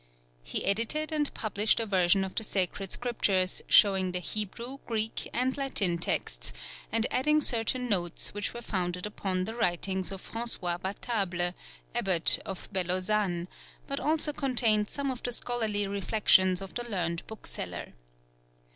He edited and published a version of the Sacred Scriptures, showing the Hebrew, Greek, and Latin texts, and adding certain notes which were founded upon the writings of François Vatable, Abbot of Bellozane, but also contained some of the scholarly reflections of the learned bookseller.